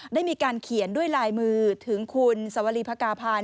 ได้มีการเขียนด้วยลายมือถึงคุณสวรีภกาพาย